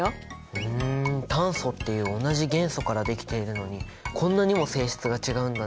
ふん炭素っていう同じ元素からできているのにこんなにも性質が違うんだね。